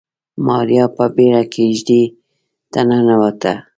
ماريا په بيړه کېږدۍ ته ننوته.